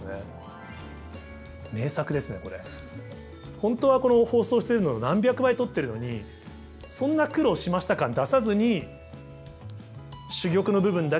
本当はこの放送してるのの何百倍撮ってるのにそんな苦労しました感出さずにっていうのは何か